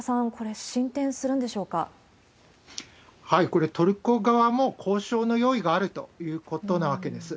これ、トルコ側も交渉の用意があるということなわけです。